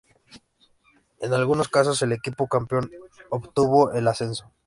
En algunos casos, el equipo campeón no obtuvo el ascenso.